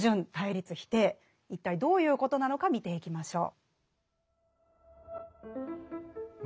一体どういうことなのか見ていきましょう。